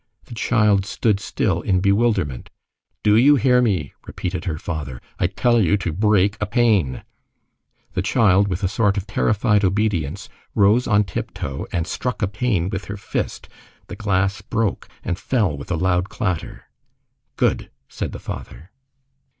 The child stood still in bewilderment. "Do you hear me?" repeated her father, "I tell you to break a pane!" The child, with a sort of terrified obedience, rose on tiptoe, and struck a pane with her fist. The glass broke and fell with a loud clatter. "Good," said the father.